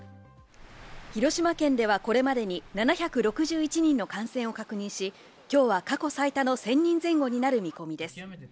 広島県ではこれまでに７６１人の感染を確認し、今日は過去最多の１０００人前後になる見込みです。